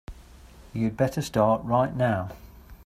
You'd better start right now.